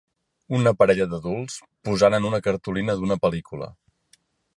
Una parella d'adults posant en una cartolina d'una pel·lícula.